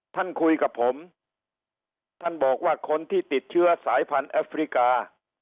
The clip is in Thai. ท่านคุยกับผมท่านบอกว่าคนที่ติดเชื้อสายพันธุ์แอฟริกา